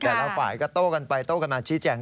แต่ละฝ่ายก็โต้กันไปโต้กันมาชี้แจง